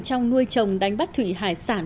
trong nuôi trồng đánh bắt thủy hải sản